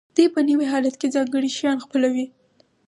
دوی په نوي حالت کې ځانګړي شیان خپلوي.